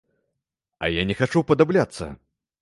А я не хачу ўпадабляцца.